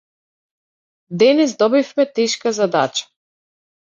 Денес добивме тешка задача.